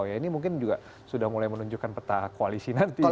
ya ini mungkin juga sudah mulai menunjukkan peta koalisi nanti ya